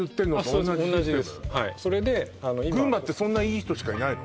同じですそれで群馬ってそんないい人しかいないの？